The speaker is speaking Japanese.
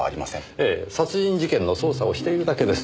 ええ殺人事件の捜査をしているだけです。